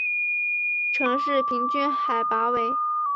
城市平均海拔为。